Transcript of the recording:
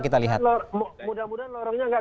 kita lihat mudah mudahan lorongnya nggak